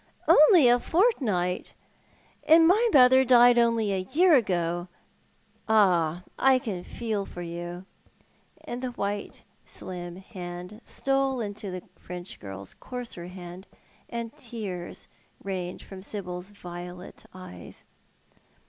" Only a fortnight ! And my mother died only a year ago. Ah, I can feel for you," and the white, slim hand stole into the French girl's coarser hand, and tears rained from Sibyl's violet eyes.